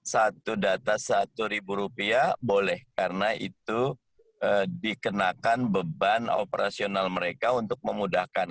satu data rp satu boleh karena itu dikenakan beban operasional mereka untuk memudahkan